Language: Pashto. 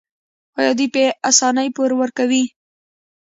آیا دوی په اسانۍ پور ورکوي؟